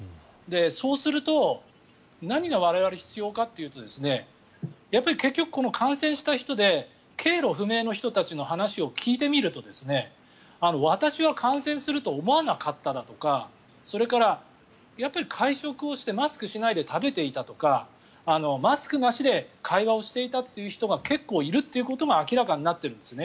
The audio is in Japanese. そうすると何が我々、必要かというとやっぱり結局、感染した人で経路不明の方の話を聞いてみると私は感染すると思わなかっただとかそれから、やっぱり会食をしてマスクをしないで食べていたとかマスクなしで会話をしていたという人が結構いるということが明らかになってるんですね。